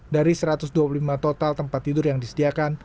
dari satu ratus dua puluh lima total tempat tidur yang disediakan